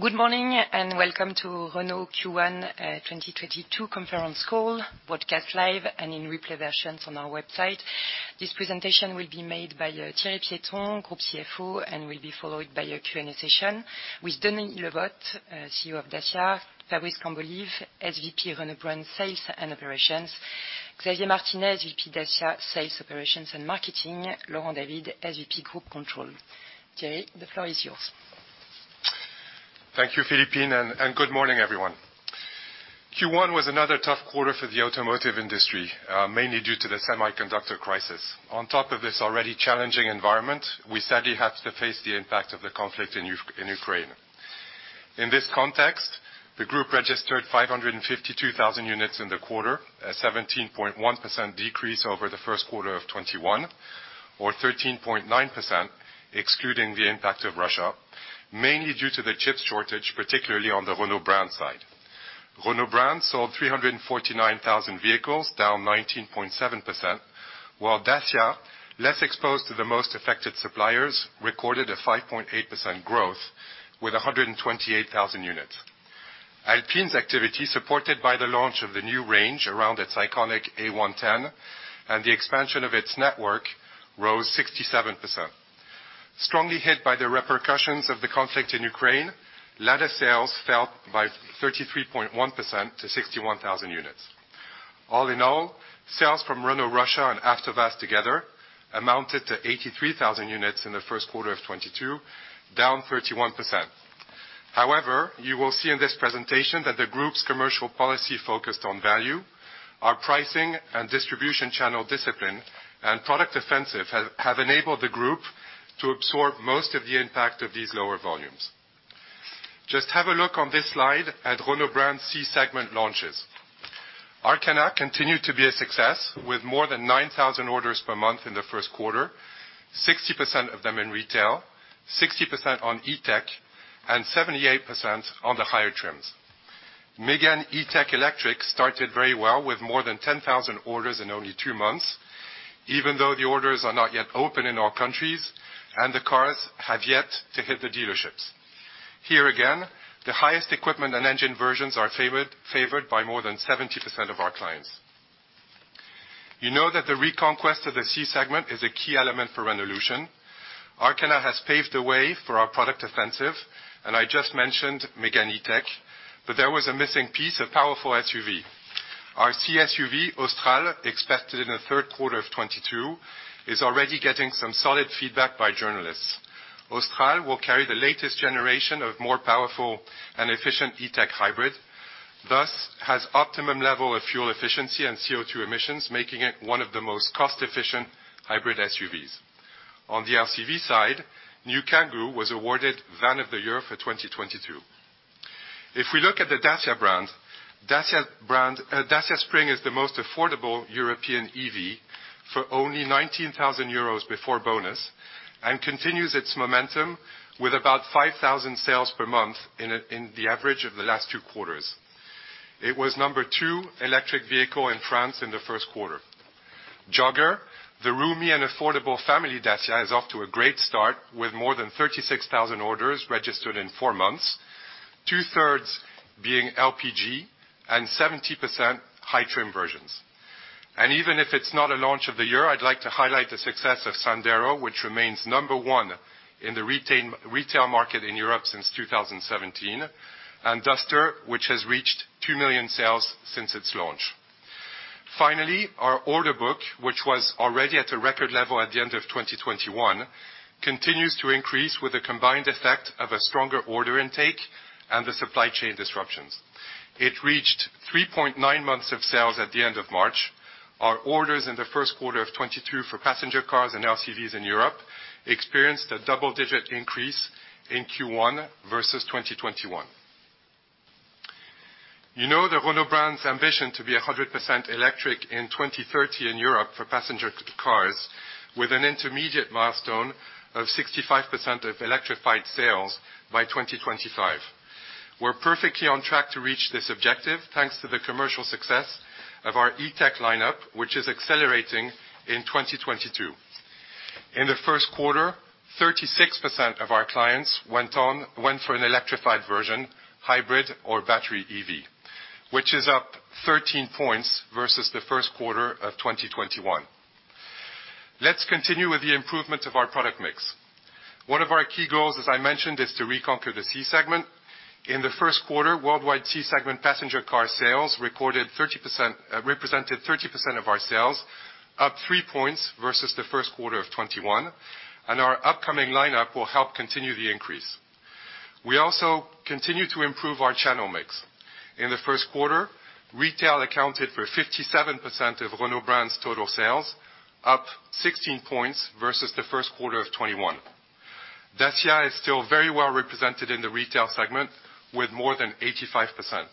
Good morning, and welcome to Renault Q1 2022 conference call, broadcast live and in replay versions on our website. This presentation will be made by Thierry Piéton, Group CFO, and will be followed by a Q&A session with Denis Le Vot, CEO of Dacia, Fabrice Cambolive, SVP Renault Brand Sales and Operations, Xavier Martinet, VP Dacia Sales Operations and Marketing, Laurent David, SVP Group Controller. Thierry, the floor is yours. Thank you, Philippine, and good morning, everyone. Q1 was another tough quarter for the automotive industry, mainly due to the semiconductor crisis. On top of this already challenging environment, we sadly have to face the impact of the conflict in Ukraine. In this context, the group registered 552,000 units in the quarter, a 17.1% decrease over the first quarter of 2021, or 13.9% excluding the impact of Russia, mainly due to the chip shortage, particularly on the Renault brand side. Renault brand sold 349,000 vehicles, down 19.7%, while Dacia, less exposed to the most affected suppliers, recorded a 5.8% growth with 128,000 units. Alpine's activity, supported by the launch of the new range around its iconic A110 and the expansion of its network, rose 67%. Strongly hit by the repercussions of the conflict in Ukraine, Lada sales fell by 33.1% to 61,000 units. All in all, sales from Renault Russia and AvtoVAZ together amounted to 83,000 units in the first quarter of 2022, down 31%. However, you will see in this presentation that the group's commercial policy focused on value. Our pricing and distribution channel discipline and product offensive have enabled the group to absorb most of the impact of these lower volumes. Just have a look on this slide at Renault brand C-segment launches. Arkana continued to be a success with more than 9,000 orders per month in the first quarter, 60% of them in retail, 60% on E-Tech, and 78% on the higher trims. Mégane E-Tech Electric started very well with more than 10,000 orders in only two months, even though the orders are not yet open in all countries and the cars have yet to hit the dealerships. Here again, the highest equipment and engine versions are favored by more than 70% of our clients. You know that the reconquest of the C-segment is a key element for Renaulution. Arkana has paved the way for our product offensive, and I just mentioned Mégane E-Tech, but there was a missing piece, a powerful SUV. Our C-SUV, Austral, expected in the third quarter of 2022, is already getting some solid feedback by journalists. Austral will carry the latest generation of more powerful and efficient E-Tech hybrid, thus has optimum level of fuel efficiency and CO2 emissions, making it one of the most cost-efficient hybrid SUVs. On the LCV side, New Kangoo was awarded Van of the Year for 2022. If we look at the Dacia brand, Dacia Spring is the most affordable European EV for only 19,000 euros before bonus, and continues its momentum with about 5,000 sales per month in the average of the last two quarters. It was No. 2 electric vehicle in France in the first quarter. Jogger, the roomy and affordable family Dacia, is off to a great start with more than 36,000 orders registered in four months, two-thirds being LPG and 70% high trim versions. Even if it's not a launch of the year, I'd like to highlight the success of Sandero, which remains number one in the retail market in Europe since 2017, and Duster, which has reached two million sales since its launch. Finally, our order book, which was already at a record level at the end of 2021, continues to increase with the combined effect of a stronger order intake and the supply chain disruptions. It reached 3.9 months of sales at the end of March. Our orders in the first quarter of 2022 for passenger cars and LCVs in Europe experienced a double-digit increase in Q1 versus 2021. You know the Renault brand's ambition to be 100% electric in 2030 in Europe for passenger cars, with an intermediate milestone of 65% of electrified sales by 2025. We're perfectly on track to reach this objective, thanks to the commercial success of our E-Tech lineup, which is accelerating in 2022. In the first quarter, 36% of our clients went for an electrified version, hybrid or battery EV, which is up 13 points versus the first quarter of 2021. Let's continue with the improvement of our product mix. One of our key goals, as I mentioned, is to reconquer the C-segment. In the first quarter, worldwide C-segment passenger car sales represented 30% of our sales, up three points versus the first quarter of 2021, and our upcoming lineup will help continue the increase. We also continue to improve our channel mix. In the first quarter, retail accounted for 57% of Renault brand's total sales, up 16 points versus the first quarter of 2021. Dacia is still very well represented in the retail segment with more than 85%.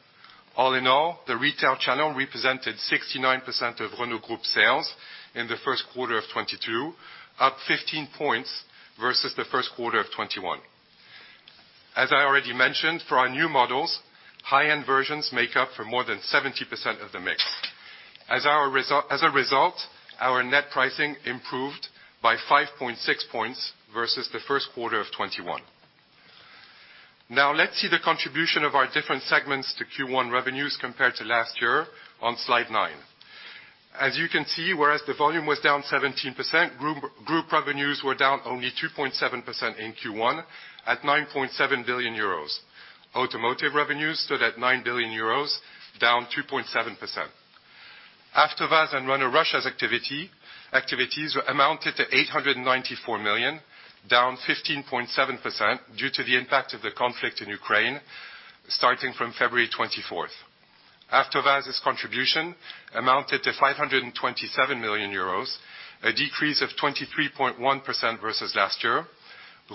All in all, the retail channel represented 69% of Renault Group sales in the first quarter of 2022, up 15 points versus the first quarter of 2021. As I already mentioned, for our new models, high-end versions make up for more than 70% of the mix. As a result, our net pricing improved by 5.6 points versus the first quarter of 2021. Now let's see the contribution of our different segments to Q1 revenues compared to last year on slide nine. As you can see, whereas the volume was down 17%, group revenues were down only 2.7% in Q1, at 9.7 billion euros. Automotive revenues stood at 9 billion euros, down 2.7%. After AvtoVAZ and Renault Russia's activities amounted to 894 million, down 15.7% due to the impact of the conflict in Ukraine, starting from February 24th. AvtoVAZ's contribution amounted to 527 million euros, a decrease of 23.1% versus last year.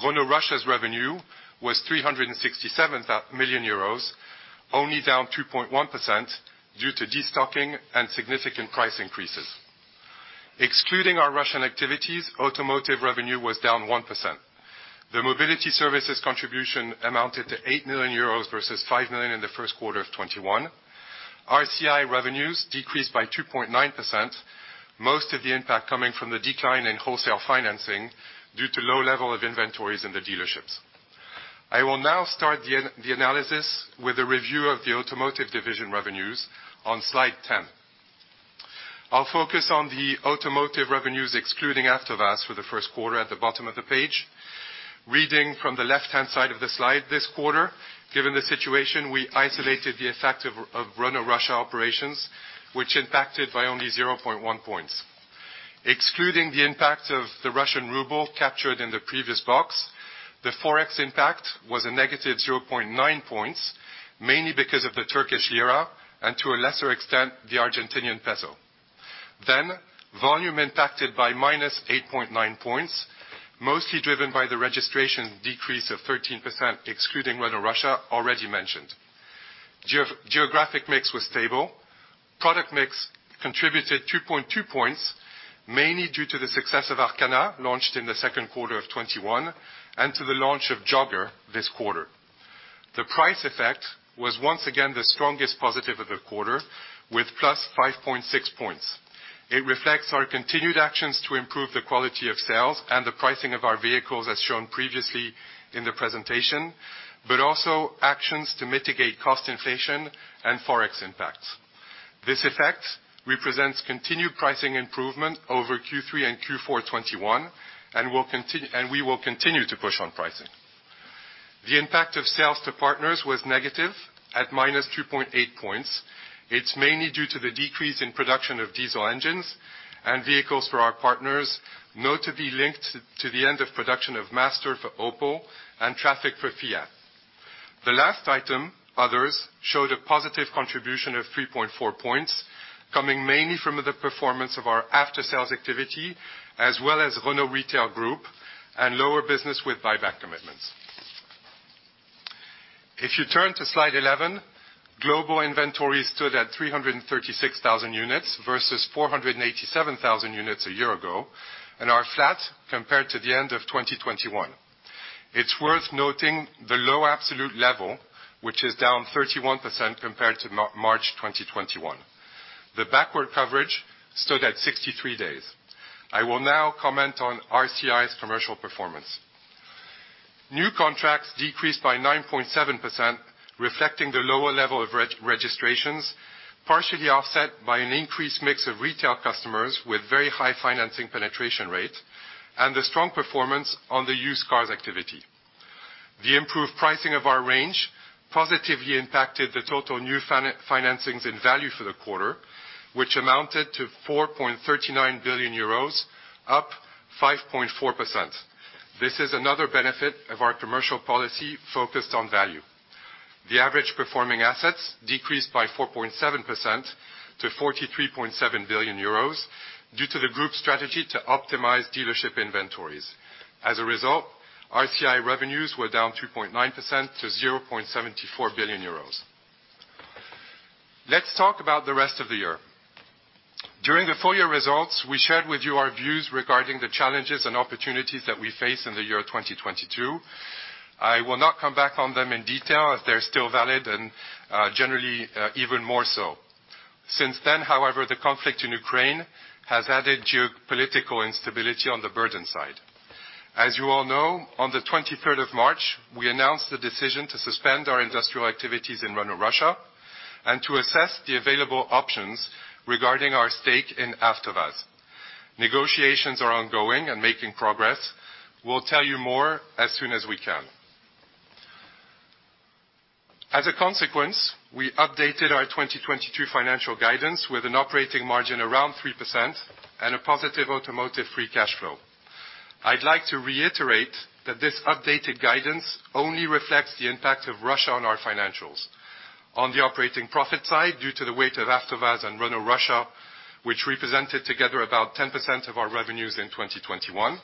Renault Russia's revenue was 367 million euros, only down 2.1% due to destocking and significant price increases. Excluding our Russian activities, automotive revenue was down 1%. The mobility services contribution amounted to 8 million euros versus 5 million in the first quarter of 2021. RCI revenues decreased by 2.9%, most of the impact coming from the decline in wholesale financing due to low level of inventories in the dealerships. I will now start the analysis with a review of the automotive division revenues on slide 10. I'll focus on the automotive revenues excluding AvtoVAZ for the first quarter at the bottom of the page. Reading from the left-hand side of the slide this quarter, given the situation, we isolated the effect of Renault Russia operations, which impacted by only 0.1 points. Excluding the impact of the Russian ruble captured in the previous box, the forex impact was a negative 0.9 points, mainly because of the Turkish lira, and to a lesser extent, the Argentinian peso. Volume impacted by -8.9 points, mostly driven by the registration decrease of 13% excluding Renault Russia already mentioned. Geographic mix was stable. Product mix contributed 2.2 points, mainly due to the success of Arkana, launched in the second quarter of 2021, and to the launch of Jogger this quarter. The price effect was once again the strongest positive of the quarter with +5.6 points. It reflects our continued actions to improve the quality of sales and the pricing of our vehicles as shown previously in the presentation, but also actions to mitigate cost inflation and forex impacts. This effect represents continued pricing improvement over Q3 and Q4 2021, and we will continue to push on pricing. The impact of sales to partners was negative at -2.8 points. It's mainly due to the decrease in production of diesel engines and vehicles for our partners, notably linked to the end of production of Master for Opel and Trafic for Fiat. The last item, others, showed a positive contribution of 3.4 points, coming mainly from the performance of our after-sales activity, as well as Renault Retail Group and lower business with buyback commitments. If you turn to slide 11, global inventories stood at 336,000 units versus 487,000 units a year ago, and are flat compared to the end of 2021. It's worth noting the low absolute level, which is down 31% compared to March 2021. The backward coverage stood at 63 days. I will now comment on RCI's commercial performance. New contracts decreased by 9.7%, reflecting the lower level of re-registrations, partially offset by an increased mix of retail customers with very high financing penetration rate and a strong performance on the used cars activity. The improved pricing of our range positively impacted the total new financings and value for the quarter, which amounted to 4.39 billion euros, up 5.4%. This is another benefit of our commercial policy focused on value. The average performing assets decreased by 4.7% to 43.7 billion euros due to the group strategy to optimize dealership inventories. As a result, RCI revenues were down 2.9% to 0.74 billion euros. Let's talk about the rest of the year. During the full year results, we shared with you our views regarding the challenges and opportunities that we face in the year 2022. I will not come back on them in detail as they're still valid and, generally, even more so. Since then, however, the conflict in Ukraine has added geopolitical instability on the burden side. As you all know, on March 23rd, we announced the decision to suspend our industrial activities in Renault Russia and to assess the available options regarding our stake in AvtoVAZ. Negotiations are ongoing and making progress. We'll tell you more as soon as we can. As a consequence, we updated our 2022 financial guidance with an operating margin around 3% and a positive automotive free cash flow. I'd like to reiterate that this updated guidance only reflects the impact of Russia on our financials. On the operating profit side, due to the weight of AvtoVAZ and Renault Russia, which represented together about 10% of our revenues in 2021.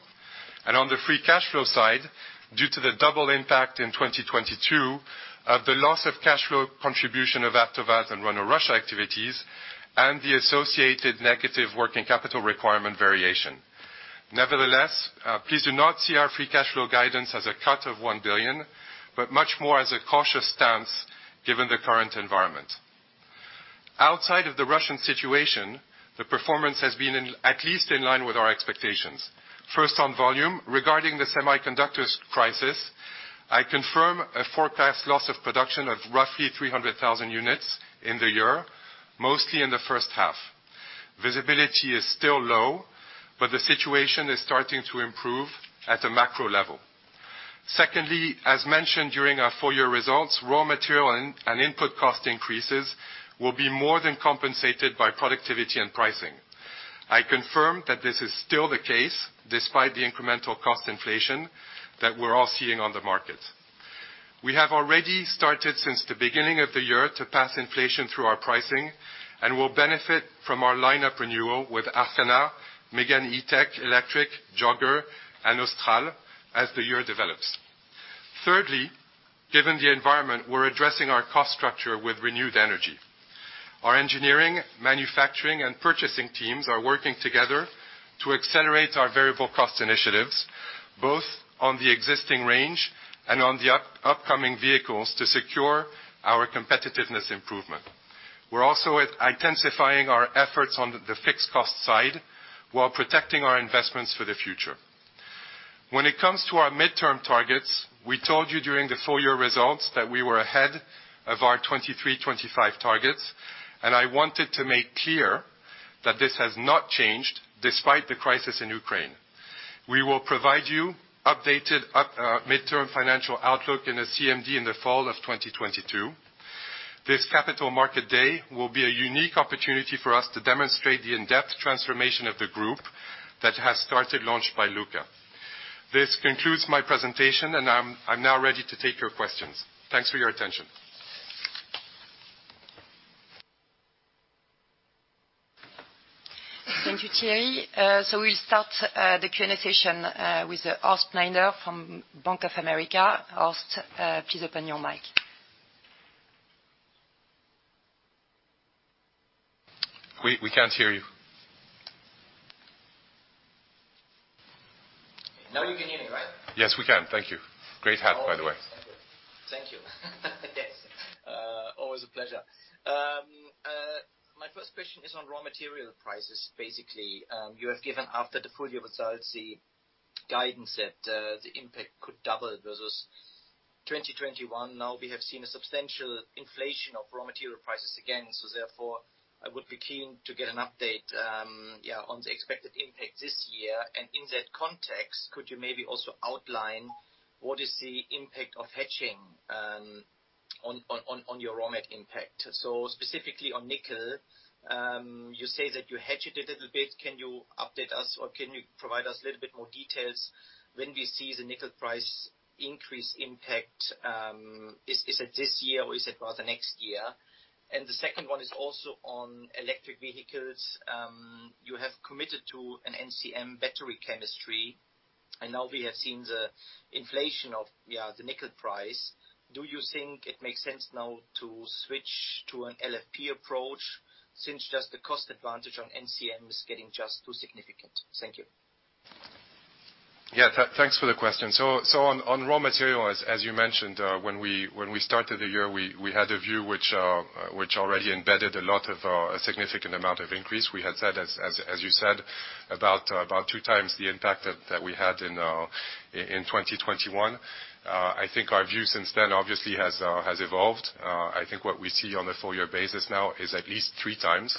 On the free cash flow side, due to the double impact in 2022 of the loss of cash flow contribution of AvtoVAZ and Renault Russia activities and the associated negative working capital requirement variation. Nevertheless, please do not see our free cash flow guidance as a cut of 1 billion, but much more as a cautious stance given the current environment. Outside of the Russian situation, the performance has been in, at least in line with our expectations. First, on volume. Regarding the semiconductors crisis, I confirm a forecast loss of production of roughly 300,000 units in the year, mostly in the first half. Visibility is still low, but the situation is starting to improve at a macro level. Secondly, as mentioned during our full year results, raw material and input cost increases will be more than compensated by productivity and pricing. I confirm that this is still the case, despite the incremental cost inflation that we're all seeing on the market. We have already started since the beginning of the year to pass inflation through our pricing, and will benefit from our lineup renewal with Arkana, Mégane E-Tech Electric, Jogger, and Austral as the year develops. Thirdly, given the environment, we're addressing our cost structure with renewed energy. Our engineering, manufacturing, and purchasing teams are working together to accelerate our variable cost initiatives, both on the existing range and on the upcoming vehicles to secure our competitiveness improvement. We're also intensifying our efforts on the fixed cost side while protecting our investments for the future. When it comes to our mid-term targets, we told you during the full-year results that we were ahead of our 2023/2025 targets, and I wanted to make clear that this has not changed despite the crisis in Ukraine. We will provide you an updated midterm financial outlook in a CMD in the fall of 2022. This capital market day will be a unique opportunity for us to demonstrate the in-depth transformation of the group launched by Luca. This concludes my presentation, and I'm now ready to take your questions. Thanks for your attention. Thank you, Thierry. We'll start the Q&A session with Horst Schneider from Bank of America. Horst, please open your mic. We can't hear you. Now you can hear me, right? Yes, we can. Thank you. Great hat, by the way. Thank you. Yes. Always a pleasure. My first question is on raw material prices. Basically, you have given after the full year results, the guidance that the impact could double versus 2021. Now we have seen a substantial inflation of raw material prices again. Therefore, I would be keen to get an update on the expected impact this year. In that context, could you maybe also outline what is the impact of hedging on your raw mat impact? Specifically on nickel, you say that you hedged it a little bit. Can you update us or can you provide us a little bit more details when we see the nickel price increase impact? Is it this year or is it rather next year? The second one is also on electric vehicles. You have committed to an NMC battery chemistry, and now we have seen the inflation of the nickel price. Do you think it makes sense now to switch to an LFP approach since just the cost advantage on NMC is getting just too significant? Thank you. Thanks for the question. On raw material, as you mentioned, when we started the year, we had a view which already embedded a lot of a significant amount of increase. We had said, as you said, about two times the impact that we had in 2021. I think our view since then obviously has evolved. I think what we see on a full year basis now is at least three times,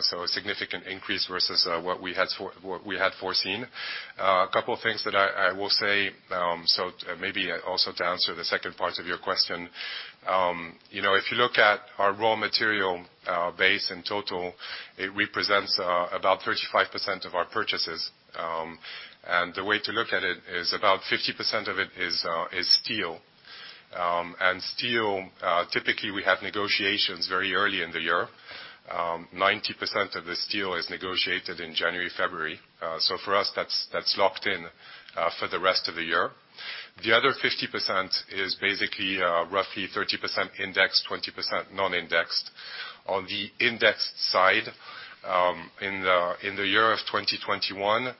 so a significant increase versus what we had foreseen. A couple things that I will say, maybe also to answer the second part of your question. You know, if you look at our raw material base in total, it represents about 35% of our purchases. The way to look at it is about 50% of it is steel. Steel, typically, we have negotiations very early in the year. 90% of the steel is negotiated in January, February. For us that's locked in for the rest of the year. The other 50% is basically roughly 30% indexed, 20% non-indexed. On the indexed side, in the year of 2021,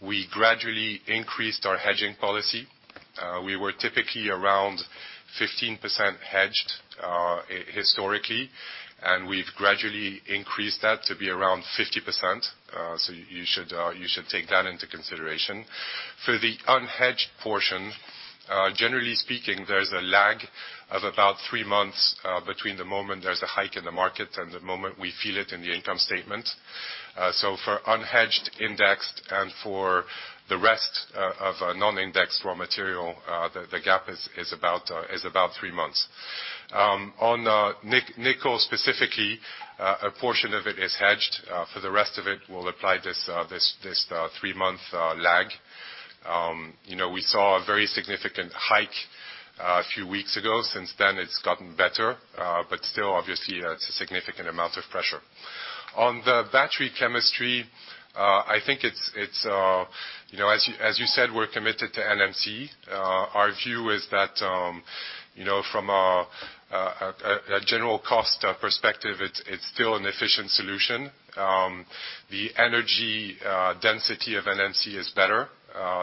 we gradually increased our hedging policy. We were typically around 15% hedged historically, and we've gradually increased that to be around 50%. You should take that into consideration. For the unhedged portion, generally speaking, there's a lag of about three months between the moment there's a hike in the market and the moment we feel it in the income statement. For unhedged, indexed, and for the rest of non-indexed raw material, the gap is about three months. On nickel specifically, a portion of it is hedged. For the rest of it, we'll apply this three-month lag. You know, we saw a very significant hike a few weeks ago. Since then it's gotten better, but still obviously, it's a significant amount of pressure. On the battery chemistry, I think it's, you know, as you said, we're committed to NMC. Our view is that, you know, from a general cost perspective, it's still an efficient solution. The energy density of NMC is better.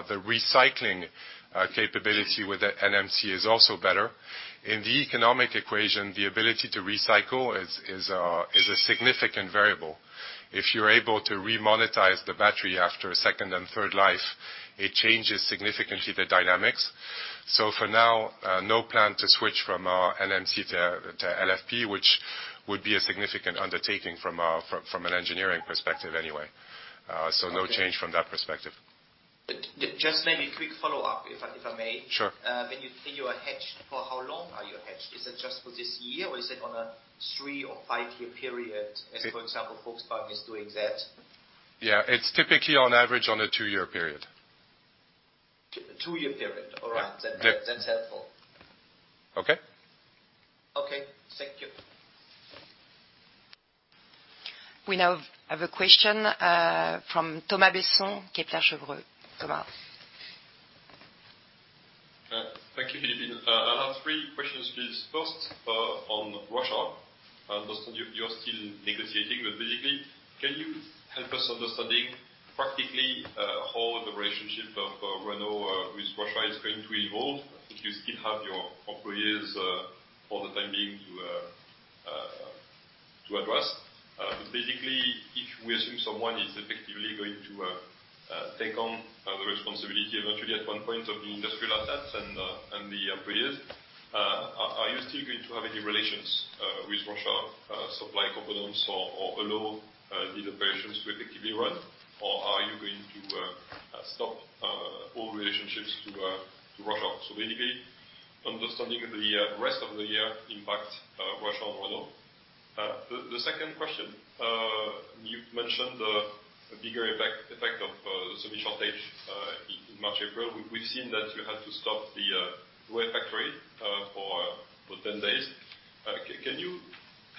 The recycling capability with the NMC is also better. In the economic equation, the ability to recycle is a significant variable. If you're able to remonetize the battery after a second and third life, it changes significantly the dynamics. For now, no plan to switch from NMC to LFP, which would be a significant undertaking from an engineering perspective anyway. No change from that perspective. Just maybe a quick follow-up, if I may. Sure. When you say you are hedged, for how long are you hedged? Is it just for this year, or is it on a three or five-year period, as for example, Volkswagen is doing that? Yeah. It's typically on average on a two-year period. Two-year period. All right. Yeah. That, that's helpful. Okay? Okay. Thank you. We now have a question from Thomas Besson, Kepler Cheuvreux. Thomas. Thank you, Philippine. I have three questions, please. First, on Russia. I understand you're still negotiating, but basically, can you help us understanding practically, how the relationship of, Renault with Russia is going to evolve? I think you still have your employees, for the time being to address. But basically, if we assume someone is effectively going to, take on, the responsibility eventually at one point of the industrial assets and the employees, are you still going to have any relations, with Russia, supply components or, allow, the operations to effectively run, or are you going to, stop, all relationships to, Russia? So basically understanding the rest of the year impact of Russia on Renault. The second question. You mentioned the bigger impact of the semi shortage in March, April. We've seen that you had to stop the Douai factory for ten days. Can you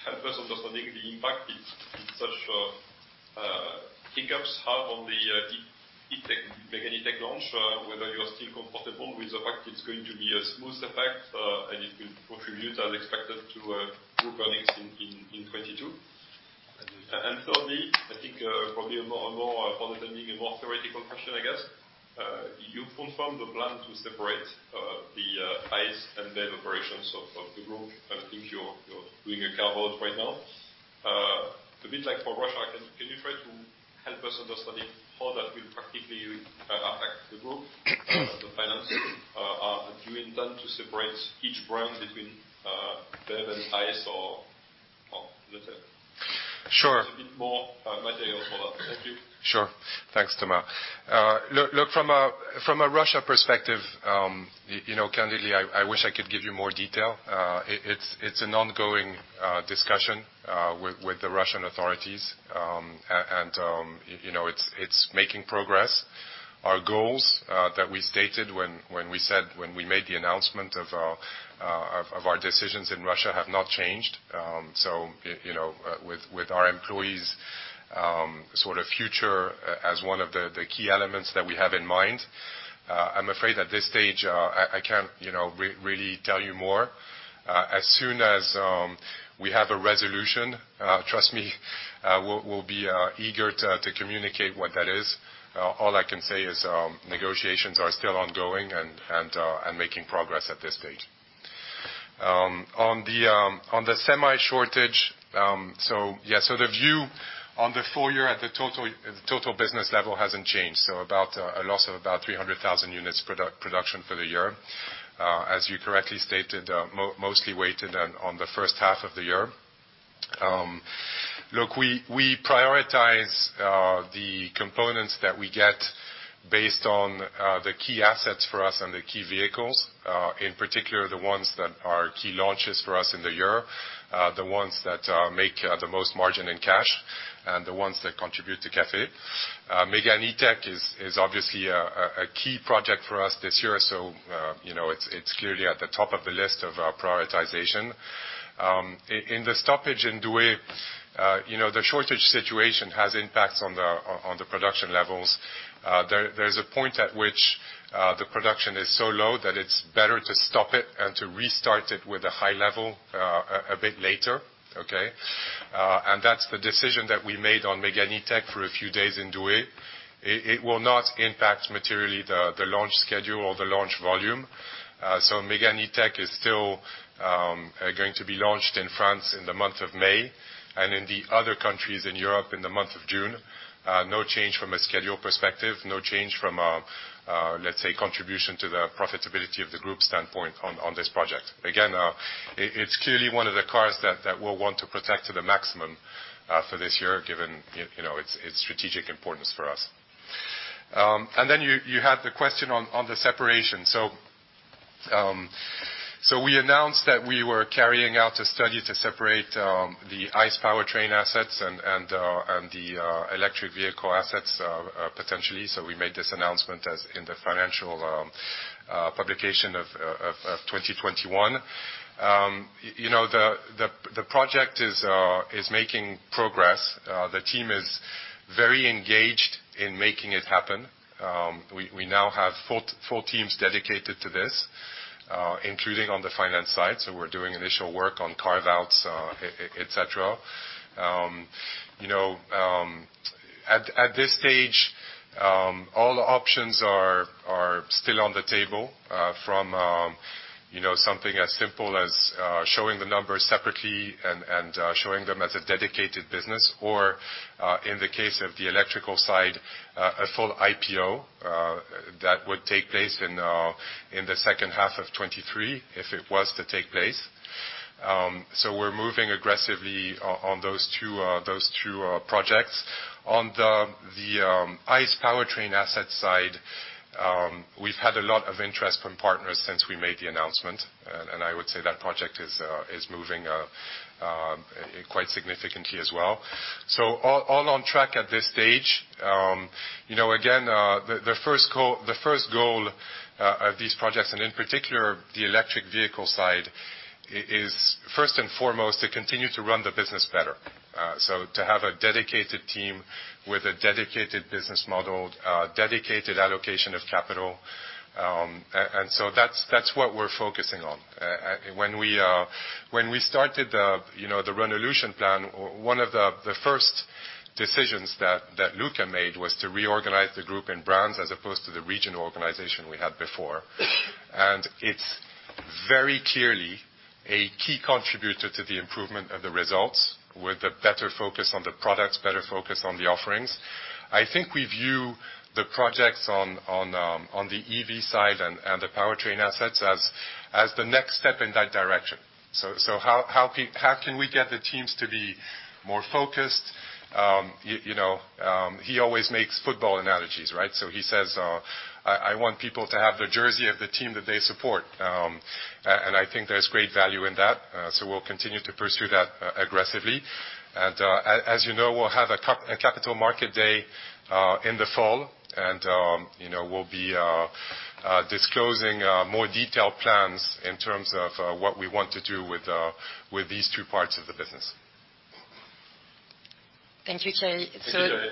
help us understanding the impact that such hiccups have on the E-Tech Mégane launch, whether you are still comfortable with the fact it's going to be a smooth effect, and it will contribute as expected to group earnings in 2022? Thirdly, I think probably, for the time being, a more theoretical question, I guess. You confirmed the plan to separate the ICE and BEV operations of the group. I think you're doing a carve-out right now. A bit like for Russia, can you try to help us understand how that will practically affect the group, the finances? Do you intend to separate each brand between BEV and ICE or let's say- Sure. Just a bit more material for that. Thank you. Sure. Thanks, Thomas. Look, from a Russia perspective, you know, candidly, I wish I could give you more detail. It's an ongoing discussion with the Russian authorities. You know, it's making progress. Our goals that we stated when we made the announcement of our decisions in Russia have not changed. You know, with our employees, sort of future as one of the key elements that we have in mind, I'm afraid at this stage, I can't, you know, really tell you more. As soon as we have a resolution, trust me, we'll be eager to communicate what that is. All I can say is negotiations are still ongoing and making progress at this stage. On the semi shortage, yeah. The view on the full year at the total business level hasn't changed. About a loss of about 300,000 units production for the year. As you correctly stated, mostly weighted on the first half of the year. Look, we prioritize the components that we get based on the key assets for us and the key vehicles, in particular, the ones that are key launches for us in the year, the ones that make the most margin in cash, and the ones that contribute to CAFE. Mégane E-Tech is obviously a key project for us this year, so it's clearly at the top of the list of our prioritization. In the stoppage in Douai, the shortage situation has impacts on the production levels. There's a point at which the production is so low that it's better to stop it and to restart it with a high level a bit later, okay? That's the decision that we made on Mégane E-Tech for a few days in Douai. It will not impact materially the launch schedule or the launch volume. Mégane E-Tech is still going to be launched in France in the month of May, and in the other countries in Europe in the month of June. No change from a schedule perspective, no change from a let's say contribution to the profitability of the group standpoint on this project. Again, it's clearly one of the cars that we'll want to protect to the maximum for this year, given, you know, its strategic importance for us. You had the question on the separation. We announced that we were carrying out a study to separate the ICE powertrain assets and the electric vehicle assets potentially. We made this announcement in the financial publication of 2021. You know, the project is making progress. The team is very engaged in making it happen. We now have four teams dedicated to this, including on the finance side. We're doing initial work on carve-outs, et cetera. You know, at this stage, all options are still on the table, from you know, something as simple as showing the numbers separately and showing them as a dedicated business or, in the case of the electrical side, a full IPO that would take place in the second half of 2023, if it was to take place. We're moving aggressively on those two projects. On the ICE powertrain asset side, we've had a lot of interest from partners since we made the announcement, and I would say that project is moving quite significantly as well. All on track at this stage. You know, again, the first goal of these projects, and in particular the electric vehicle side, is first and foremost to continue to run the business better. So to have a dedicated team with a dedicated business model, dedicated allocation of capital. And so that's what we're focusing on. When we started, you know, the Renaulution plan, one of the first decisions that Luca made was to reorganize the group in brands as opposed to the regional organization we had before. It's very clearly a key contributor to the improvement of the results with a better focus on the products, better focus on the offerings. I think we view the projects on the EV side and the powertrain assets as the next step in that direction. How can we get the teams to be more focused? He always makes football analogies, right? He says, "I want people to have the jersey of the team that they support." I think there's great value in that, so we'll continue to pursue that aggressively. As you know, we'll have a Capital Markets Day in the fall, and you know, we'll be disclosing more detailed plans in terms of what we want to do with these two parts of the business. Thank you, Thierry. Thank you, Thierry.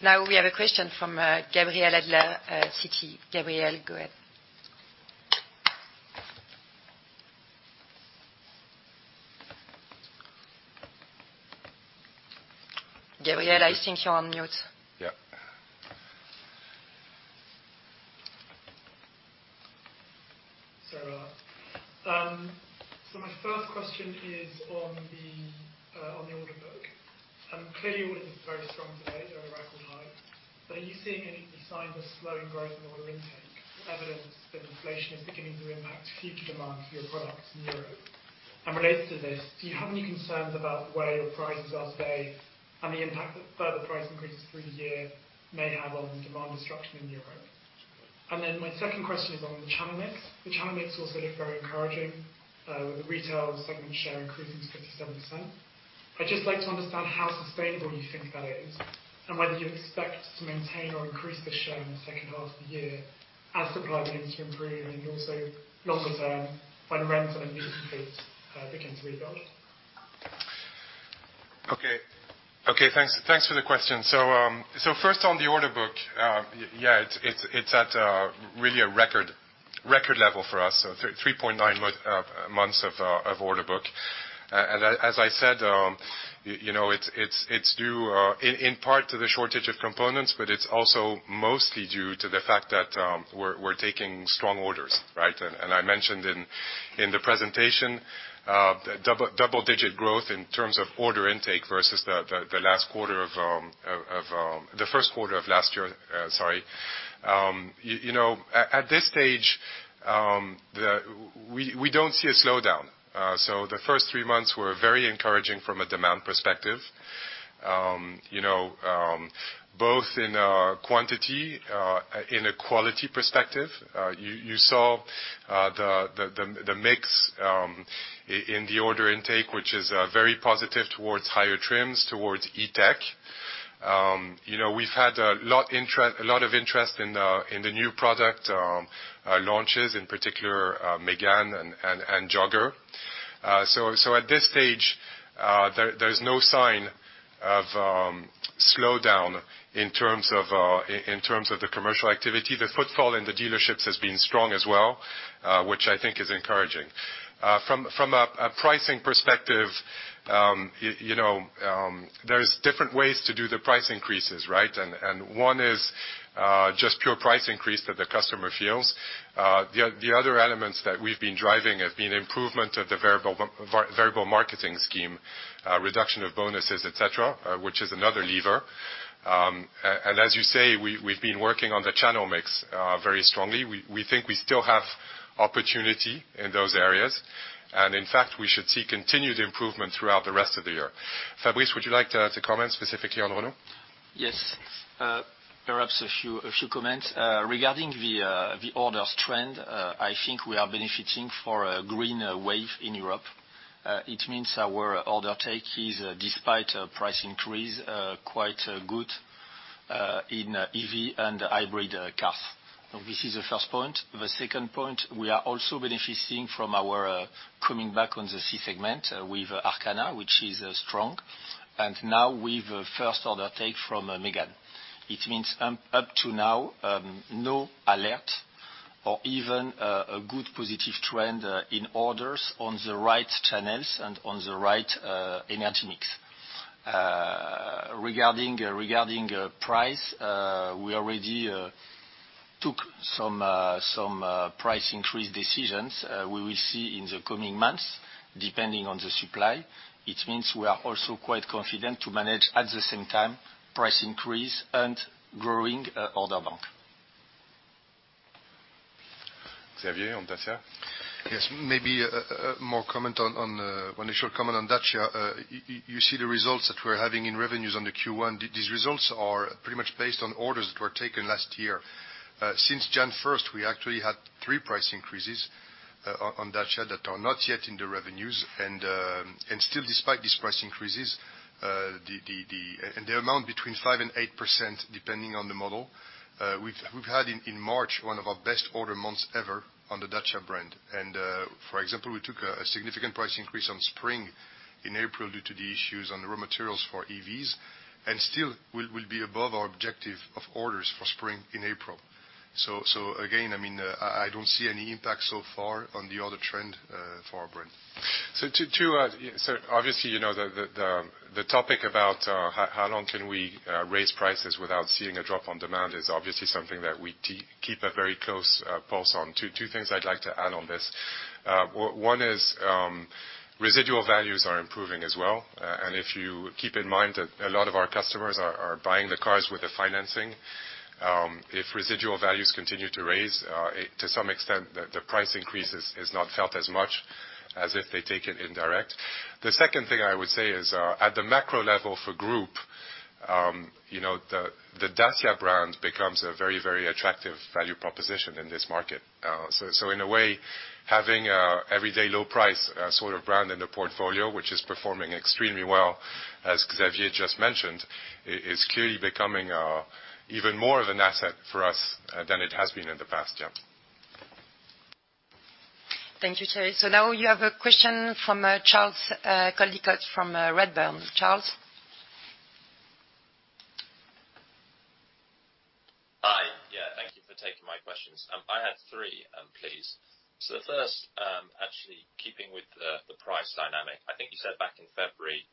Now we have a question from Gabriel Adler at Citi. Gabriel, go ahead. Gabriel, I think you're on mute. Yeah. My first question is on the order book. Clearly orders are very strong today. They're at a record high. Are you seeing any signs of slowing growth in order intake, evidence that inflation is beginning to impact future demand for your products in Europe? Related to this, do you have any concerns about the way your prices are today and the impact that further price increases through the year may have on demand destruction in Europe? My second question is on the channel mix. The channel mix also looked very encouraging with the retail segment share increasing to 57%. I'd just like to understand how sustainable you think that is and whether you expect to maintain or increase the share in the second half of the year as supply begins to improve and also longer term when rents on unused fleet begin to be billed? Okay, thanks for the question. First on the order book, yeah, it's at really a record level for us, so 3.9 months of order book. As I said, you know, it's due in part to the shortage of components, but it's also mostly due to the fact that we're taking strong orders, right? I mentioned in the presentation double-digit growth in terms of order intake versus the last quarter of the first quarter of last year, sorry. You know, at this stage, we don't see a slowdown. The first three months were very encouraging from a demand perspective. You know, both in quantity, in a quality perspective, you saw the mix in the order intake, which is very positive towards higher trims, towards E-Tech. You know, we've had a lot of interest in the new product launches, in particular, Mégane and Jogger. So at this stage, there's no sign of slowdown in terms of the commercial activity. The footfall in the dealerships has been strong as well, which I think is encouraging. From a pricing perspective, you know, there's different ways to do the price increases, right? One is just pure price increase that the customer feels. The other elements that we've been driving have been improvement of the variable marketing scheme, reduction of bonuses, et cetera, which is another lever. As you say, we've been working on the channel mix very strongly. We think we still have opportunity in those areas. In fact, we should see continued improvement throughout the rest of the year. Fabrice, would you like to comment specifically on Renault? Yes. Perhaps a few comments. Regarding the orders trend, I think we are benefiting from a green wave in Europe. It means our order intake is, despite price increase, quite good in EV and hybrid cars. This is the first point. The second point, we are also benefiting from our coming back on the C segment with Arkana, which is strong, now with first order intake from Mégane. It means up to now, no alert or even a good positive trend in orders on the right channels and on the right energy mix. Regarding price, we already took some price increase decisions. We will see in the coming months, depending on the supply. It means we are also quite confident to manage at the same time price increase and growing order bank. Xavier, on Dacia? Yes. Maybe a more comment on one initial comment on Dacia. You see the results that we're having in revenues on the Q1. These results are pretty much based on orders that were taken last year. Since January 1st, we actually had three price increases on Dacia that are not yet in the revenues. Still, despite these price increases, they amount between 5% and 8%, depending on the model. We've had in March one of our best order months ever on the Dacia brand. For example, we took a significant price increase on Spring in April due to the issues on the raw materials for EVs, and still we'll be above our objective of orders for Spring in April. Again, I mean, I don't see any impact so far on the order trend for our brand. Obviously, you know, the topic about how long can we raise prices without seeing a drop on demand is obviously something that we keep a very close pulse on. Two things I'd like to add on this. One is, residual values are improving as well. If you keep in mind that a lot of our customers are buying the cars with the financing, if residual values continue to raise, to some extent, the price increase is not felt as much as if they take it indirect. The second thing I would say is, at the macro level for Group, you know, the Dacia brand becomes a very, very attractive value proposition in this market. So, in a way, having a everyday low price sort of brand in the portfolio, which is performing extremely well, as Xavier just mentioned, is clearly becoming even more of an asset for us than it has been in the past. Yeah. Thank you, Thierry. Now you have a question from Charles Coldicott from Redburn. Charles? Hi. Yeah, thank you for taking my questions. I had three, please. The first, actually keeping with the price dynamic, I think you said back in February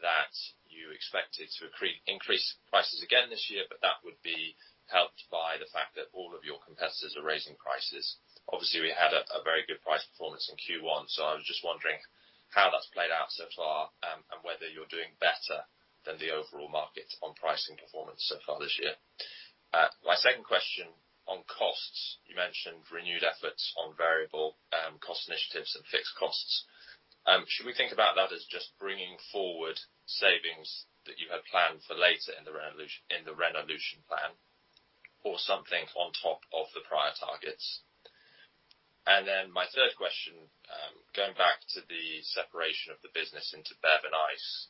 that you expected to increase prices again this year, but that would be helped by the fact that all of your competitors are raising prices. Obviously, we had a very good price performance in Q1, so I was just wondering how that's played out so far, and whether you're doing better than the overall market on pricing performance so far this year. My second question on costs. You mentioned renewed efforts on variable cost initiatives and fixed costs. Should we think about that as just bringing forward savings that you had planned for later in the Renaulution plan, or something on top of the prior targets? My third question, going back to the separation of the business into BEV and ICE,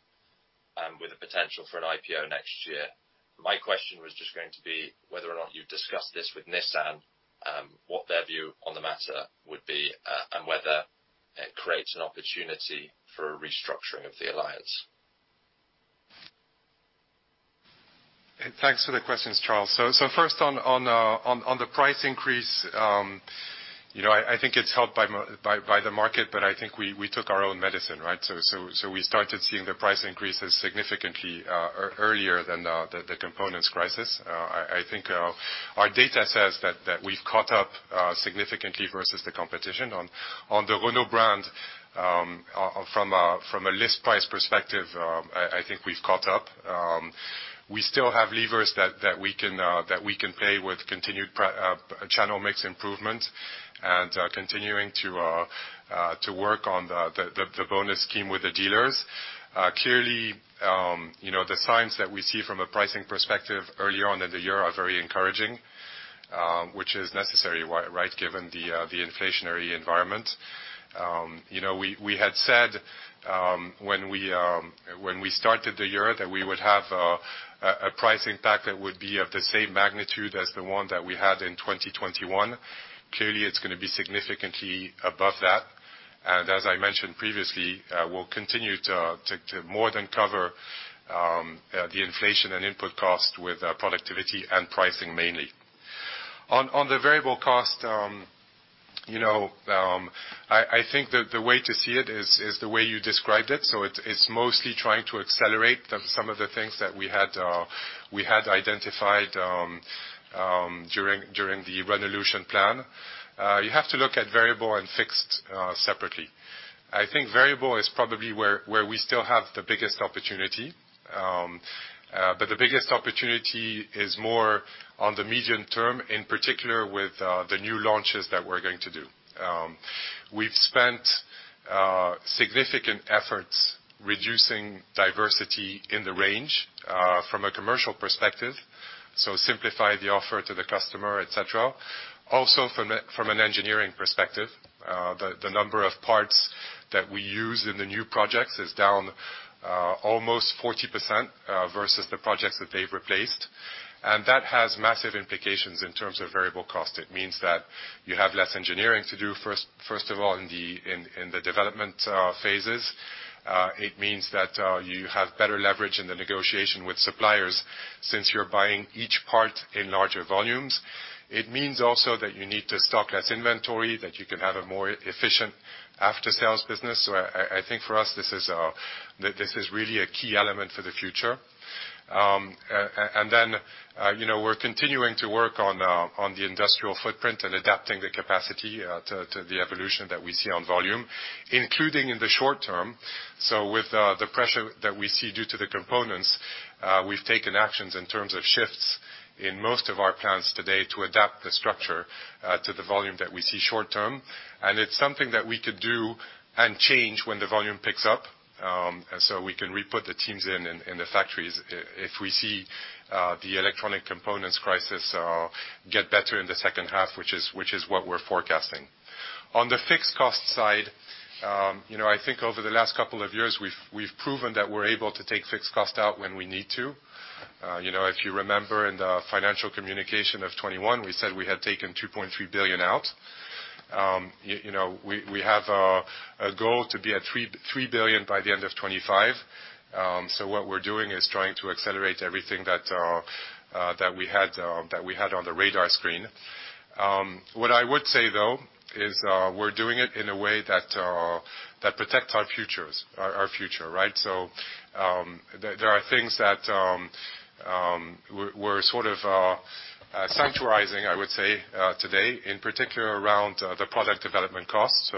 with a potential for an IPO next year. My question was just going to be whether or not you've discussed this with Nissan, what their view on the matter would be, and whether it creates an opportunity for a restructuring of the alliance. Thanks for the questions, Charles. First on the price increase, you know, I think it's helped by the market, but I think we took our own medicine, right? We started seeing the price increases significantly earlier than the components crisis. I think our data says that we've caught up significantly versus the competition. On the Renault brand, from a list price perspective, I think we've caught up. We still have levers that we can play with continued channel mix improvement and continuing to work on the bonus scheme with the dealers. Clearly, you know, the signs that we see from a pricing perspective earlier on in the year are very encouraging, which is necessary, right? Given the inflationary environment. You know, we had said when we started the year that we would have a price impact that would be of the same magnitude as the one that we had in 2021. Clearly, it's gonna be significantly above that. As I mentioned previously, we'll continue to more than cover the inflation and input cost with productivity and pricing mainly. On the variable cost, you know, I think that the way to see it is the way you described it. It's mostly trying to accelerate some of the things that we had identified during the Renaulution plan. You have to look at variable and fixed separately. I think variable is probably where we still have the biggest opportunity. The biggest opportunity is more on the medium term, in particular with the new launches that we're going to do. We've spent significant efforts reducing diversity in the range from a commercial perspective, so simplify the offer to the customer, et cetera. Also from an engineering perspective, the number of parts that we use in the new projects is down almost 40% versus the projects that they've replaced. That has massive implications in terms of variable cost. It means that you have less engineering to do first of all in the development phases. It means that you have better leverage in the negotiation with suppliers since you're buying each part in larger volumes. It means also that you need to stock less inventory, that you can have a more efficient after-sales business. I think for us, this is really a key element for the future. You know, we're continuing to work on the industrial footprint and adapting the capacity to the evolution that we see on volume, including in the short term. With the pressure that we see due to the components, we've taken actions in terms of shifts in most of our plants today to adapt the structure to the volume that we see short term. It's something that we could do and change when the volume picks up. We can re-put the teams in the factories if we see the electronic components crisis get better in the second half, which is what we're forecasting. On the fixed cost side, you know, I think over the last couple of years, we've proven that we're able to take fixed cost out when we need to. You know, if you remember in the financial communication of 2021, we said we had taken 2.3 billion out. You know, we have a goal to be at 3 billion by the end of 2025. What we're doing is trying to accelerate everything that we had on the radar screen. What I would say, though, is we're doing it in a way that protects our future, right? There are things that we're sort of sanctuarizing, I would say, today, in particular around the product development costs.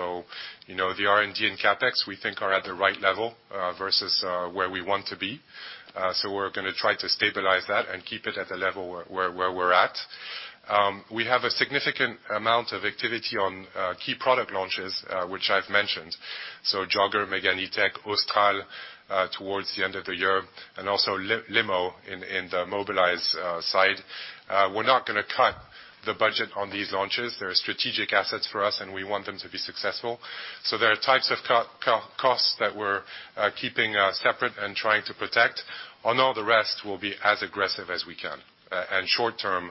You know, the R&D and CapEx we think are at the right level versus where we want to be. We're gonna try to stabilize that and keep it at the level where we're at. We have a significant amount of activity on key product launches, which I've mentioned. Jogger, Mégane E-Tech, Austral, towards the end of the year, and also Mobilize Limo in the Mobilize side. We're not gonna cut the budget on these launches. They're strategic assets for us, and we want them to be successful. There are types of costs that we're keeping separate and trying to protect. On all the rest, we'll be as aggressive as we can, and short term,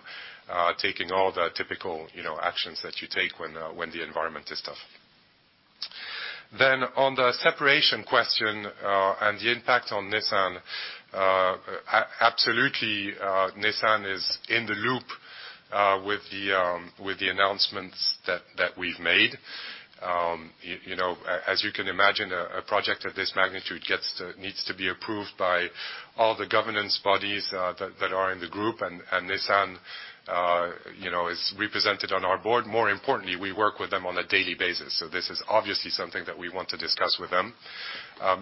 taking all the typical, you know, actions that you take when the environment is tough. On the separation question and the impact on Nissan, absolutely, Nissan is in the loop with the announcements that we've made. You know, as you can imagine, a project of this magnitude needs to be approved by all the governance bodies that are in the group. Nissan, you know, is represented on our board. More importantly, we work with them on a daily basis. This is obviously something that we want to discuss with them.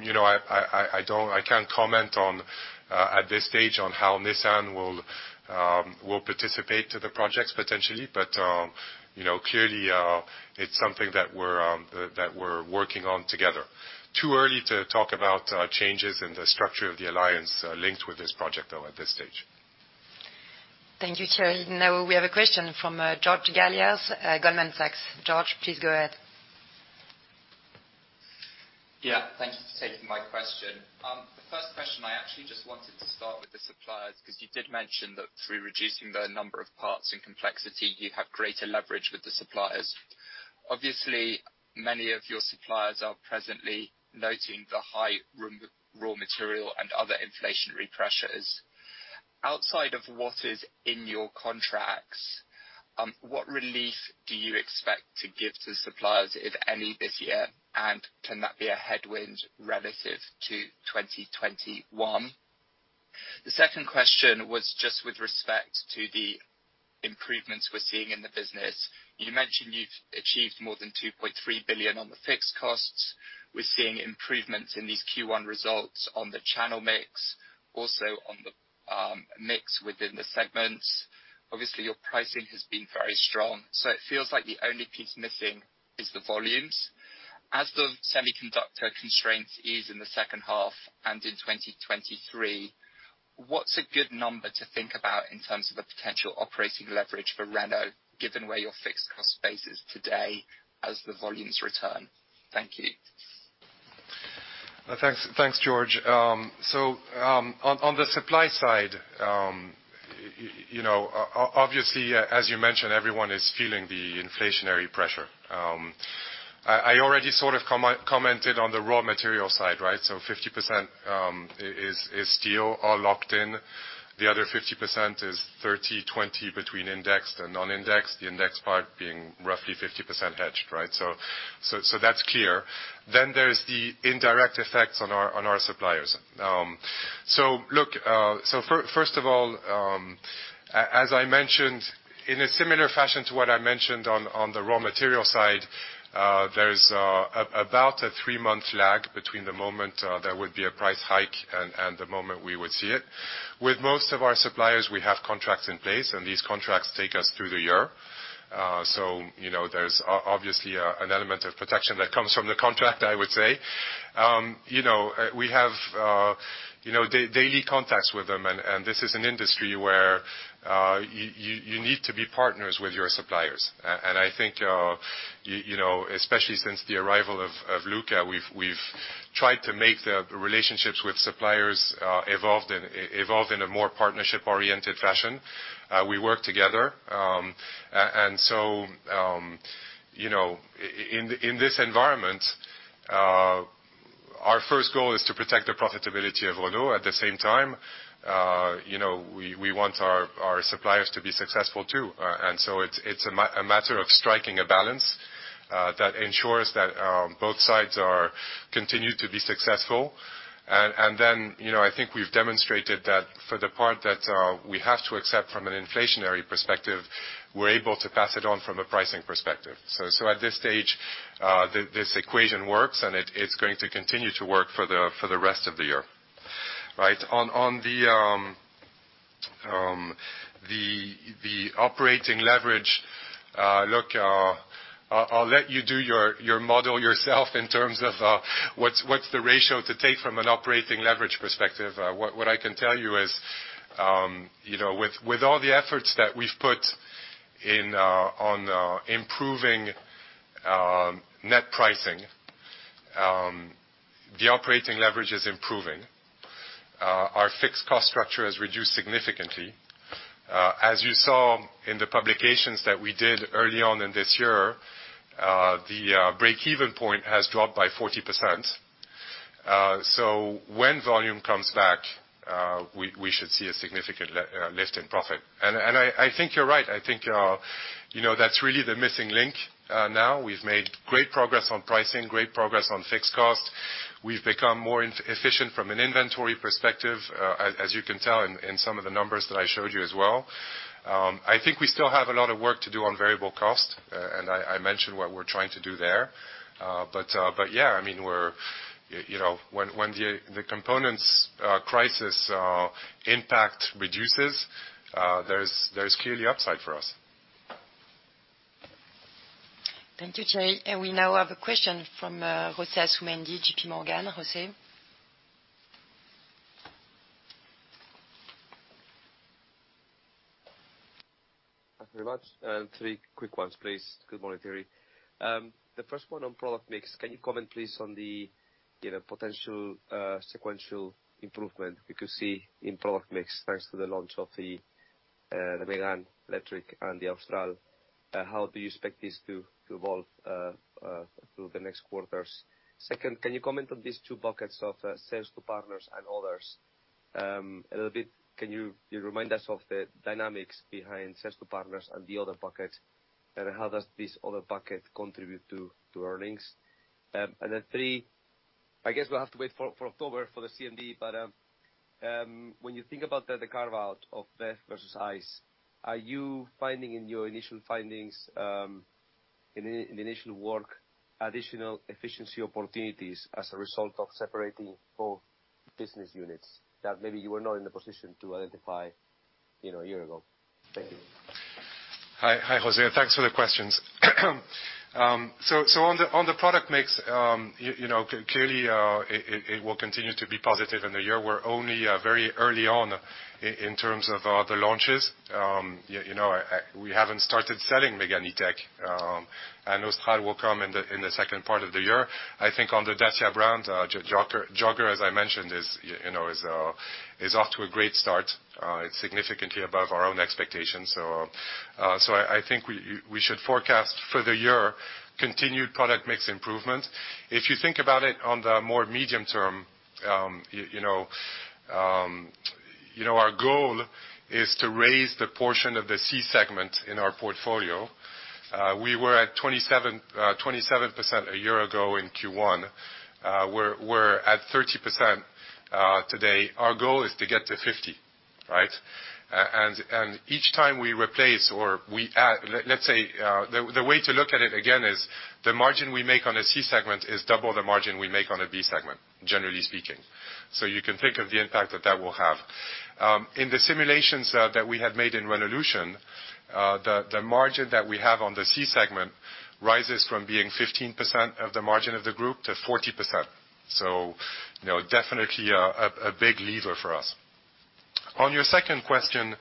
You know, I can't comment on at this stage on how Nissan will participate to the projects potentially. You know, clearly, it's something that we're working on together. Too early to talk about changes in the structure of the alliance linked with this project, though, at this stage. Thank you, Thierry. Now we have a question from George Galliers, Goldman Sachs. George, please go ahead. Yeah, thank you for taking my question. The first question, I actually just wanted to start with the suppliers, 'cause you did mention that through reducing the number of parts and complexity, you have greater leverage with the suppliers. Obviously, many of your suppliers are presently noting the high raw material and other inflationary pressures. Outside of what is in your contracts, what relief do you expect to give to suppliers, if any, this year, and can that be a headwind relative to 2021? The second question was just with respect to the improvements we're seeing in the business. You mentioned you've achieved more than 2.3 billion on the fixed costs. We're seeing improvements in these Q1 results on the channel mix, also on the mix within the segments. Obviously, your pricing has been very strong, so it feels like the only piece missing is the volumes. As the semiconductor constraints ease in the second half and in 2023, what's a good number to think about in terms of a potential operating leverage for Renault, given where your fixed cost base is today as the volumes return? Thank you. Thanks, George. On the supply side, you know, obviously, as you mentioned, everyone is feeling the inflationary pressure. I already sort of commented on the raw material side, right? 50% is steel, all locked in. The other 50% is 30, 20 between indexed and non-indexed, the indexed part being roughly 50% hedged, right? That's clear. There's the indirect effects on our suppliers. Look, first of all, as I mentioned, in a similar fashion to what I mentioned on the raw material side, there's about a three-month lag between the moment there would be a price hike and the moment we would see it. With most of our suppliers, we have contracts in place, and these contracts take us through the year. You know, there's obviously an element of protection that comes from the contract, I would say. You know, we have daily contacts with them, and you know, this is an industry where you need to be partners with your suppliers. I think you know, especially since the arrival of Luca, we've tried to make the relationships with suppliers evolve in a more partnership-oriented fashion. We work together. You know, in this environment, our first goal is to protect the profitability of Renault. At the same time, you know, we want our suppliers to be successful too. It's a matter of striking a balance that ensures that both sides continue to be successful. You know, I think we've demonstrated that for the part that we have to accept from an inflationary perspective, we're able to pass it on from a pricing perspective. At this stage, this equation works, and it's going to continue to work for the rest of the year. Right. On the operating leverage, look, I'll let you do your model yourself in terms of what's the ratio to take from an operating leverage perspective. What I can tell you is, you know, with all the efforts that we've put in on improving net pricing, the operating leverage is improving. Our fixed cost structure has reduced significantly. As you saw in the publications that we did early on in this year, the break-even point has dropped by 40%. When volume comes back, we should see a significant lift in profit. I think you're right. I think you know, that's really the missing link. Now we've made great progress on pricing, great progress on fixed cost. We've become more inefficient from an inventory perspective, as you can tell in some of the numbers that I showed you as well. I think we still have a lot of work to do on variable cost, and I mentioned what we're trying to do there. Yeah, I mean, we're, you know, when the components crisis impact reduces, there's clearly upside for us. Thank you, Thierry. We now have a question from, Jose Asumendi, JPMorgan. Jose? Thank you very much. Three quick ones, please. Good morning, Thierry. The first one on product mix, can you comment please on the, you know, potential sequential improvement we could see in product mix thanks to the launch of the Mégane electric and the Austral? How do you expect this to evolve through the next quarters? Second, can you comment on these two buckets of sales to partners and others a little bit? Can you remind us of the dynamics behind sales to partners and the other bucket, and how does this other bucket contribute to earnings? Then three, I guess we'll have to wait for October for the CMD, but when you think about the carve-out of BEV versus ICE, are you finding in your initial findings, in initial work, additional efficiency opportunities as a result of separating both business units that maybe you were not in the position to identify, you know, a year ago? Thank you. Hi, Jose. Thanks for the questions. On the product mix, clearly, it will continue to be positive in the year. We're only very early on in terms of the launches. We haven't started selling Mégane E-Tech, and Austral will come in the second part of the year. I think on the Dacia brand, Jogger, as I mentioned, is off to a great start. It's significantly above our own expectations. I think we should forecast for the year continued product mix improvement. If you think about it on the more medium term, our goal is to raise the portion of the C segment in our portfolio. We were at 27% a year ago in Q1. We're at 30% today. Our goal is to get to 50, right? Each time we replace or we add, let's say, the way to look at it again is the margin we make on a C segment is double the margin we make on a B segment, generally speaking. You can think of the impact that that will have. In the simulations that we had made in Renaulution, the margin that we have on the C segment rises from being 15% of the margin of the group to 40%. You know, definitely a big lever for us. On your second question,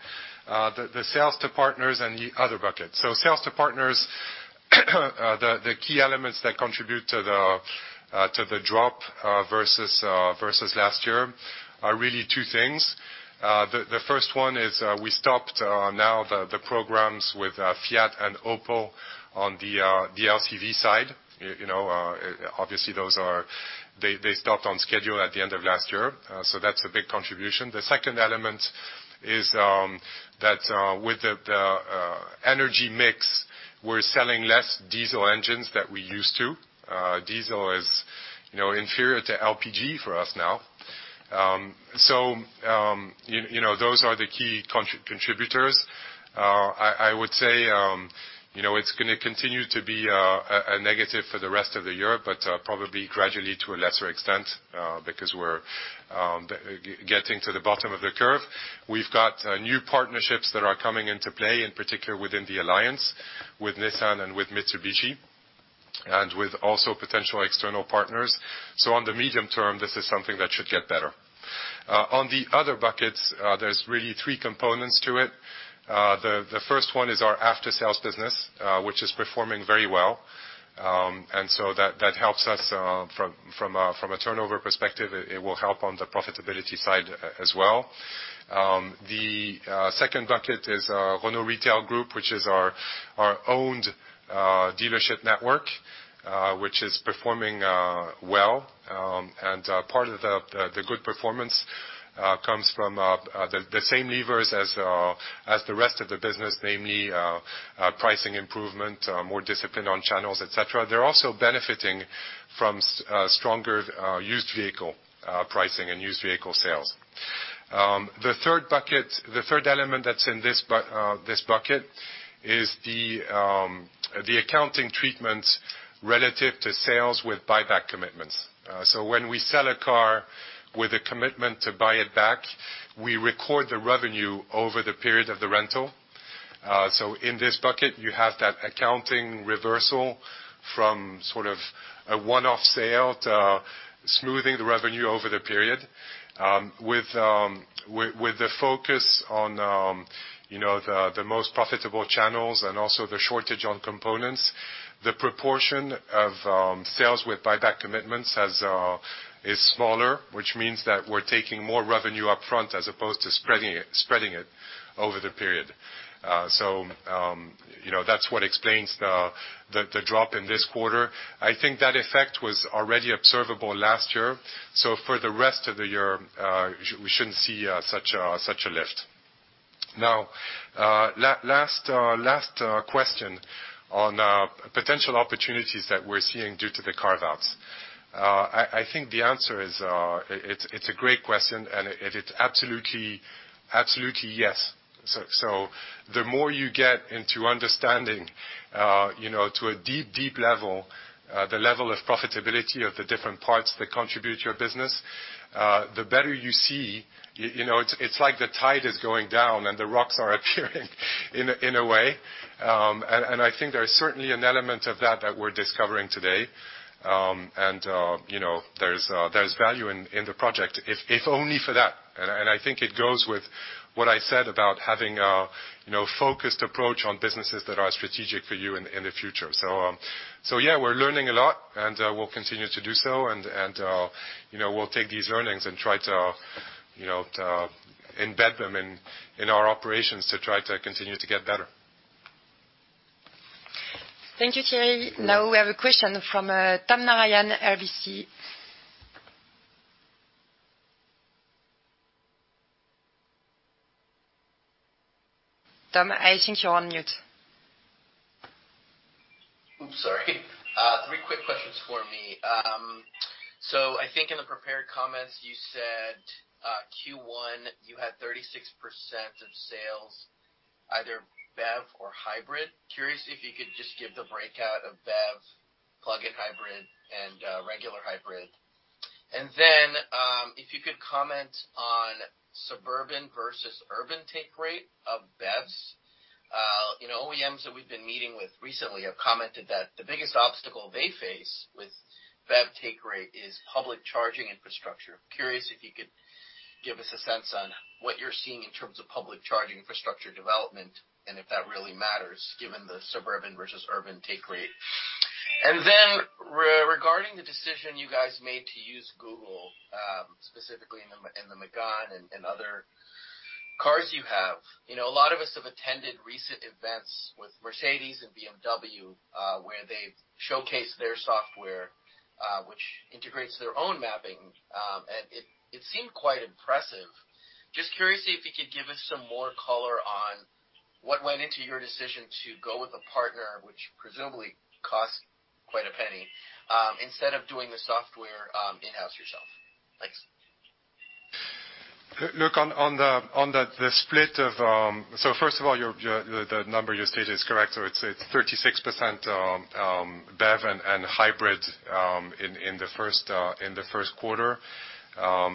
the sales to partners and the other bucket. Sales to partners, the key elements that contribute to the drop versus last year are really two things. The first one is we stopped the programs with Fiat and Opel on the LCV side. You know, obviously those stopped on schedule at the end of last year. That's a big contribution. The second element is that with the energy mix, we're selling less diesel engines that we used to. Diesel is, you know, inferior to LPG for us now. You know, those are the key contributors. I would say, you know, it's gonna continue to be a negative for the rest of the year, but probably gradually to a lesser extent, because we're getting to the bottom of the curve. We've got new partnerships that are coming into play, in particular within the alliance with Nissan and with Mitsubishi, and with also potential external partners. So on the medium term, this is something that should get better. On the other buckets, there's really three components to it. The first one is our after-sales business, which is performing very well. That helps us from a turnover perspective. It will help on the profitability side as well. The second bucket is our Renault Retail Group, which is our own dealership network, which is performing well. Part of the good performance comes from the same levers as the rest of the business, namely, pricing improvement, more discipline on channels, et cetera. They're also benefiting from stronger used vehicle pricing and used vehicle sales. The third element that's in this bucket is the accounting treatment relative to sales with buyback commitments. When we sell a car with a commitment to buy it back, we record the revenue over the period of the rental. In this bucket, you have that accounting reversal from sort of a one-off sale to smoothing the revenue over the period. With the focus on, you know, the most profitable channels and also the shortage on components, the proportion of sales with buyback commitments is smaller, which means that we're taking more revenue up front as opposed to spreading it over the period. You know, that's what explains the drop in this quarter. I think that effect was already observable last year. For the rest of the year, we shouldn't see such a lift. Now, last question on potential opportunities that we're seeing due to the carve-outs. I think the answer is, it's a great question, and it is absolutely yes. The more you get into understanding, you know, to a deep level, the level of profitability of the different parts that contribute to your business, the better you see. You know, it's like the tide is going down, and the rocks are appearing in a way. I think there is certainly an element of that that we're discovering today. You know, there's value in the project, if only for that. I think it goes with what I said about having a you know focused approach on businesses that are strategic for you in the future. Yeah, we're learning a lot, and we'll continue to do so. you know, we'll take these learnings and try to, you know, to embed them in our operations to try to continue to get better. Thank you, Thierry. Now we have a question from Tom Narayan, RBC. Tom, I think you're on mute. Oops, sorry. Three quick questions for me. I think in the prepared comments you said, Q1, you had 36% of sales, either BEV or hybrid. Curious if you could just give the breakout of BEV, plug-in hybrid, and regular hybrid. If you could comment on suburban versus urban take rate of BEVs. You know, OEMs that we've been meeting with recently have commented that the biggest obstacle they face with BEV take rate is public charging infrastructure. Curious if you could give us a sense on what you're seeing in terms of public charging infrastructure development and if that really matters given the suburban versus urban take rate. Regarding the decision you guys made to use Google, specifically in the Mégane and other cars you have. You know, a lot of us have attended recent events with Mercedes and BMW, where they've showcased their software, which integrates their own mapping, and it seemed quite impressive. Just curious if you could give us some more color on what went into your decision to go with a partner, which presumably costs quite a penny, instead of doing the software in-house yourself. Thanks. First of all, the number you stated is correct. It's 36% BEV and hybrid in the first quarter.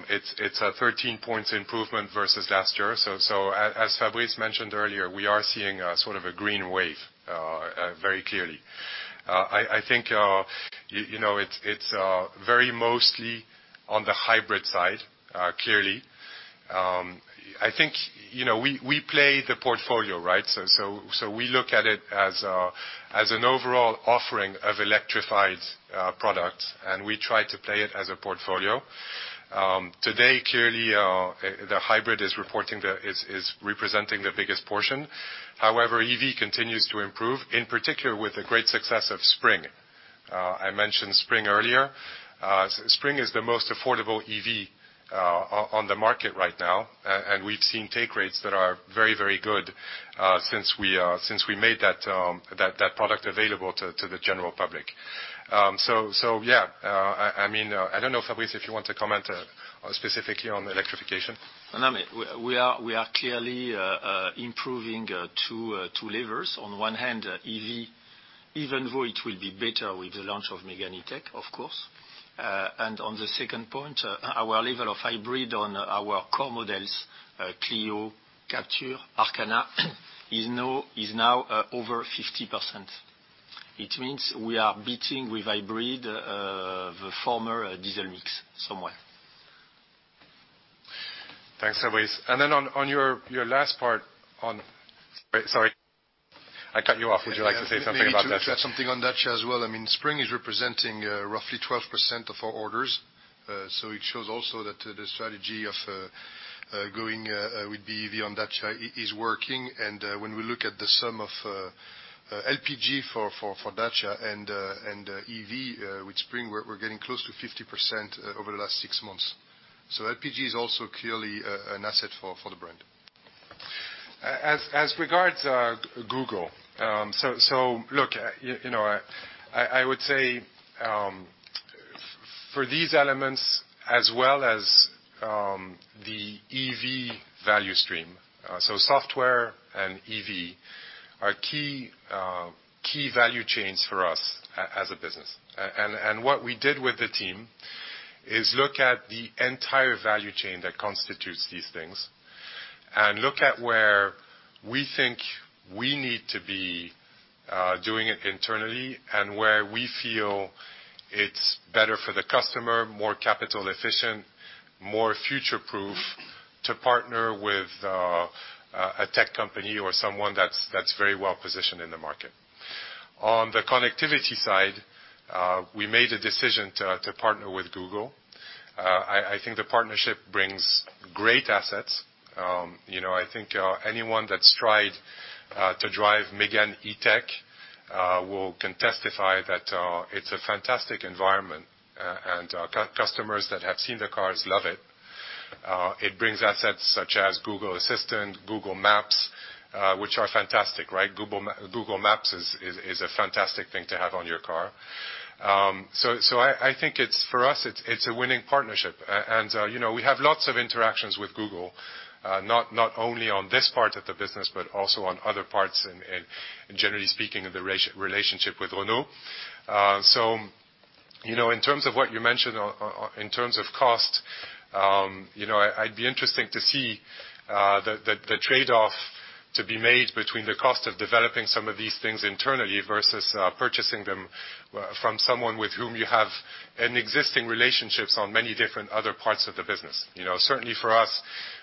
It's a 13 points improvement versus last year. As Fabrice mentioned earlier, we are seeing a sort of a green wave very clearly. I think you know, it's very much on the hybrid side clearly. I think you know, we play the portfolio, right? We look at it as an overall offering of electrified products, and we try to play it as a portfolio. Today, clearly, the hybrid is representing the biggest portion. However, EV continues to improve, in particular with the great success of Spring. I mentioned Spring earlier. Spring is the most affordable EV on the market right now. And we've seen take rates that are very good since we made that product available to the general public. So yeah. I mean, I don't know, Fabrice, if you want to comment specifically on the electrification. No, I mean, we are clearly improving two levers. On one hand, EV, even though it will be better with the launch of Mégane E-Tech, of course. On the second point, our level of hybrid on our core models, Clio, Captur, Arkana, is now over 50%. It means we are beating with hybrid, the former diesel mix somewhat. Thanks, Fabrice. On your last part. Sorry, I cut you off. Would you like to say something about that? Yeah. Maybe to add something on that as well. I mean, Spring is representing roughly 12% of our orders. So it shows also that the strategy of going with BEV on Dacia is working. When we look at the sum of LPG for Dacia and EV with Spring, we're getting close to 50% over the last six months. LPG is also clearly an asset for the brand. As regards our Google, so look, you know, I would say, for these elements as well as the EV value stream, so software and EV are key value chains for us as a business. What we did with the team is look at the entire value chain that constitutes these things and look at where we think we need to be doing it internally, and where we feel it's better for the customer, more capital efficient, more future proof to partner with a tech company or someone that's very well positioned in the market. On the connectivity side, we made a decision to partner with Google. I think the partnership brings great assets. You know, I think anyone that's tried to drive Mégane E-Tech can testify that it's a fantastic environment, and customers that have seen the cars love it. It brings assets such as Google Assistant, Google Maps, which are fantastic, right? Google Maps is a fantastic thing to have on your car. I think it's for us. It's a winning partnership. You know, we have lots of interactions with Google, not only on this part of the business, but also on other parts and generally speaking of the relationship with Renault. You know, in terms of what you mentioned on in terms of cost, you know, I'd be interested to see the trade-off to be made between the cost of developing some of these things internally versus purchasing them from someone with whom you have an existing relationship on many different other parts of the business. You know, certainly for us,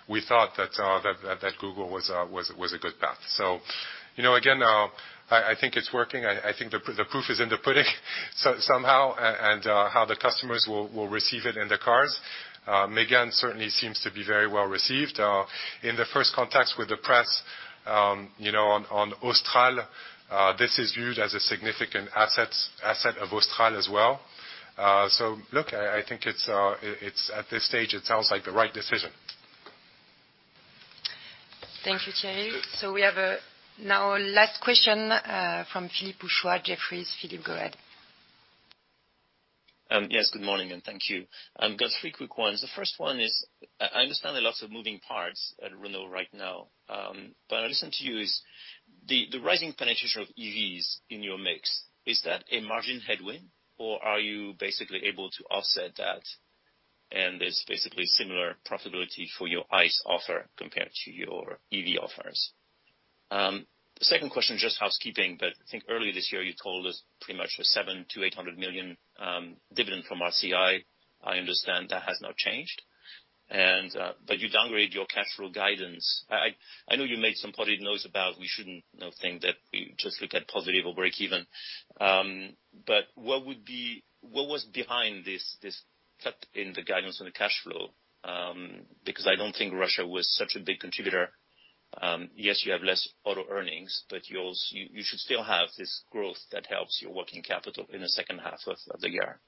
we thought that Google was a good path. You know, again, I think it's working. I think the proof is in the pudding somehow, and how the customers will receive it in the cars. Mégane certainly seems to be very well received. In the first contacts with the press, you know, on Austral, this is viewed as a significant asset of Austral as well. Look, I think it's at this stage, it sounds like the right decision. Thank you, Thierry. We have, now, last question from Philippe Houchois, Jefferies. Philippe, go ahead. Yes, good morning, and thank you. Got three quick ones. The first one is I understand there are lots of moving parts at Renault right now. But as I listen to you, is the rising penetration of EVs in your mix a margin headwind or are you basically able to offset that and is basically similar profitability for your ICE offer compared to your EV offers? The second question, just housekeeping, but I think earlier this year you told us pretty much a 700 million-800 million dividend from RCI. I understand that has now changed, and you downgrade your cash flow guidance. I know you made some public noise about that we shouldn't now think that we just look at positive or breakeven. What would be... What was behind this cut in the guidance on the cash flow? Because I don't think Russia was such a big contributor. Yes, you have less auto earnings, but you should still have this growth that helps your working capital in the second half of the year.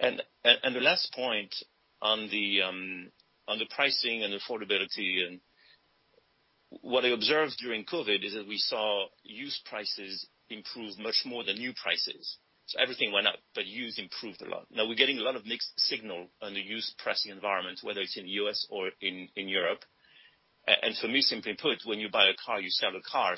The last point on the pricing and affordability, and what I observed during COVID is that we saw used prices improve much more than new prices. Everything went up, but used improved a lot. Now we're getting a lot of mixed signal on the used pricing environment, whether it's in the U.S. or in Europe. For me, simply put, when you buy a car, you sell a car.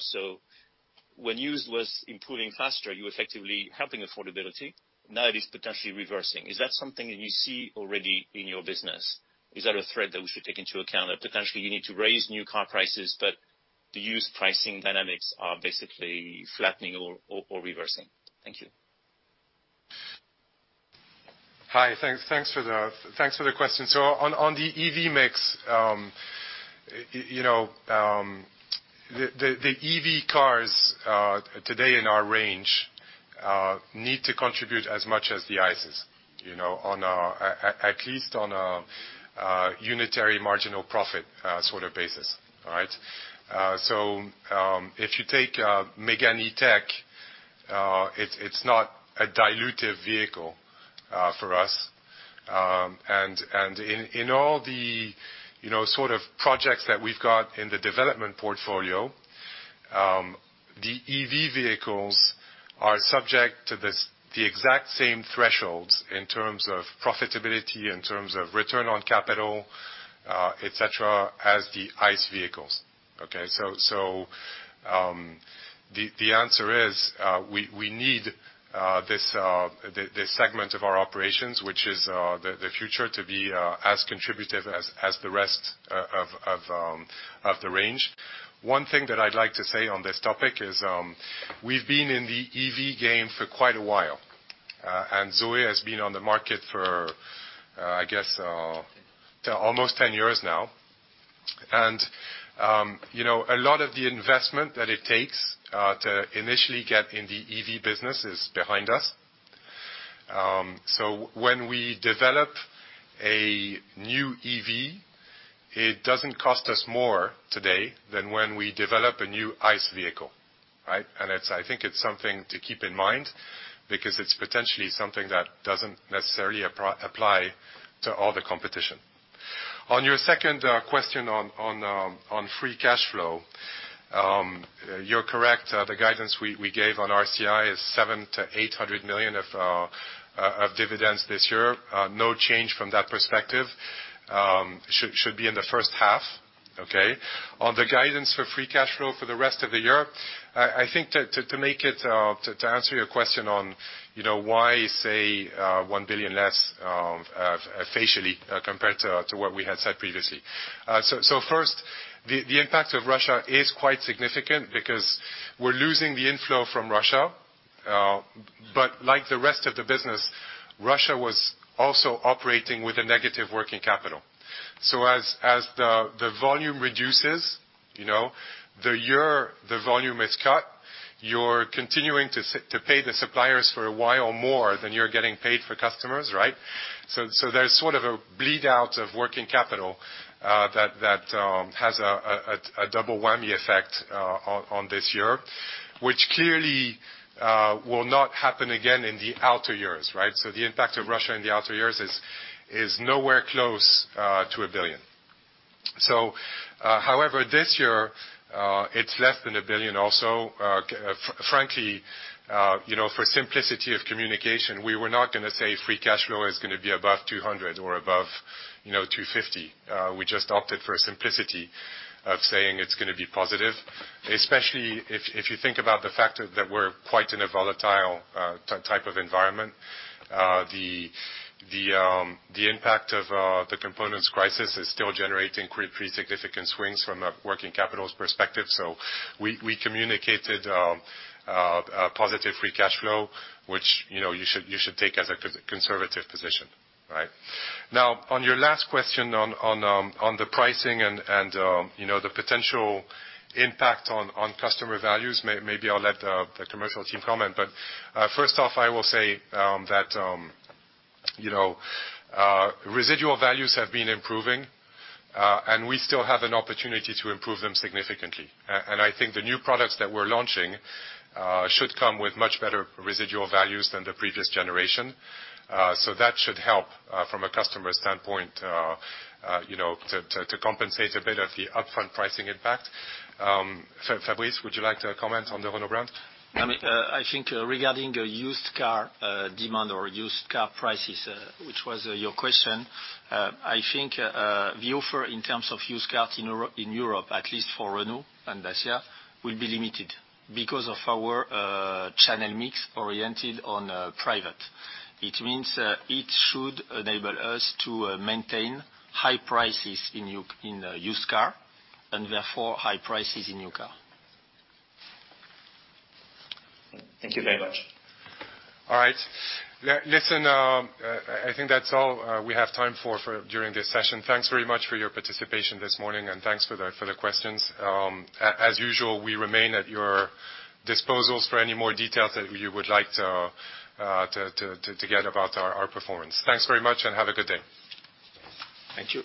When used was improving faster, you're effectively helping affordability. Now it is potentially reversing. Is that something that you see already in your business? Is that a threat that we should take into account, that potentially you need to raise new car prices, but the used pricing dynamics are basically flattening or reversing? Thank you. Thanks for the question. On the EV mix, you know, the EV cars today in our range need to contribute as much as the ICEs. You know, at least on a unitary marginal profit sort of basis. All right? If you take Mégane E-Tech, it's not a dilutive vehicle for us. And in all the you know sort of projects that we've got in the development portfolio, the EV vehicles are subject to the exact same thresholds in terms of profitability, in terms of return on capital, et cetera, as the ICE vehicles. Okay? The answer is we need this segment of our operations, which is the future to be as contributive as the rest of the range. One thing that I'd like to say on this topic is we've been in the EV game for quite a while, and ZOE has been on the market for, I guess, almost 10 years now. You know, a lot of the investment that it takes to initially get in the EV business is behind us. When we develop a new EV, it doesn't cost us more today than when we develop a new ICE vehicle, right? I think it's something to keep in mind because it's potentially something that doesn't necessarily apply to all the competition. On your second question on free cash flow, you're correct. The guidance we gave on RCI is 700-800 million of dividends this year. No change from that perspective. Should be in the first half. Okay? On the guidance for free cash flow for the rest of the year, I think to make it to answer your question on, you know, why say 1 billion less, facially compared to what we had said previously. First, the impact of Russia is quite significant because we're losing the inflow from Russia, but like the rest of the business, Russia was also operating with a negative working capital. As the volume reduces, you know, the year the volume is cut, you're continuing to pay the suppliers for a while more than you're getting paid by customers, right? There's sort of a bleed out of working capital that has a double whammy effect on this year, which clearly will not happen again in the outer years, right? The impact of Russia in the outer years is nowhere close to 1 billion. However, this year it's less than 1 billion also. Frankly, you know, for simplicity of communication, we were not gonna say free cash flow is gonna be above 200 or above, you know, 250. We just opted for simplicity of saying it's gonna be positive, especially if you think about the fact that we're quite in a volatile type of environment. The impact of the components crisis is still generating pretty significant swings from a working capital's perspective. We communicated a positive free cash flow, which, you know, you should take as a conservative position, right? Now, on your last question on the pricing and you know, the potential impact on customer values, maybe I'll let the commercial team comment. First off, I will say that you know, residual values have been improving and we still have an opportunity to improve them significantly. I think the new products that we're launching should come with much better residual values than the previous generation. That should help from a customer standpoint, you know, to compensate a bit of the upfront pricing impact. Fabrice, would you like to comment on the Renault brand? I mean, I think regarding the used car demand or used car prices, which was your question, I think, the offer in terms of used cars in Europe, at least for Renault and Dacia, will be limited because of our channel mix oriented on private. It means, it should enable us to maintain high prices in used car and therefore high prices in new car. Thank you very much. All right. Listen, I think that's all we have time for during this session. Thanks very much for your participation this morning, and thanks for the questions. As usual, we remain at your disposal for any more details that you would like to get about our performance. Thanks very much and have a good day. Thank you.